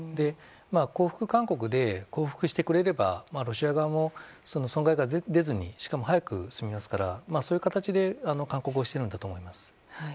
降伏勧告で降伏してくれればロシア側も損害が出ずにしかも早く済みますからそういう形で勧告をしているんだと思います。